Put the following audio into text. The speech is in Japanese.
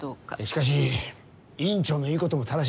しかし院長の言うことも正しい。